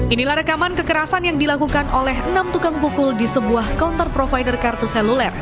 inilah rekaman kekerasan yang dilakukan oleh enam tukang pukul di sebuah counter provider kartu seluler